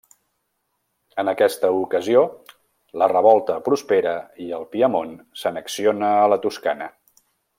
En aquesta ocasió, la revolta prospera i el Piemont s'annexiona a la Toscana.